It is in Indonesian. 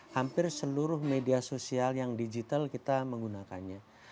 hampir seluruh media sosial yang digital kita menggunakannya